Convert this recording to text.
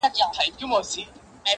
څوک و یوه او څوک وبل ته ورځي.